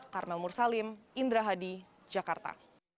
karmel mursalim indra hadi jakarta